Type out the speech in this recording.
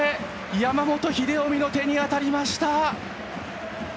山本英臣の手に当たりました。